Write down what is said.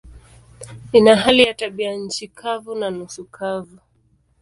Ina hali ya tabianchi kavu na nusu kavu.